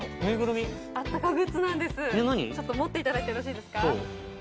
ちょっと持っていただいてよろしいですか？